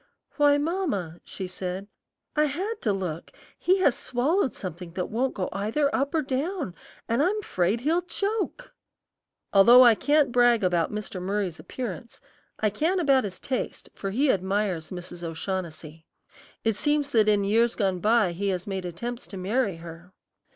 "Why, mamma," she said, "I had to look; he has swallowed something that won't go either up or down, and I'm 'fraid he'll choke." Although I can't brag about Mr. Murry's appearance, I can about his taste, for he admires Mrs. O'Shaughnessy. It seems that in years gone by he has made attempts to marry her.